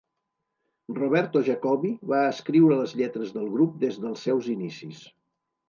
Roberto Jacoby va escriure les lletres del grup des dels seus inicis.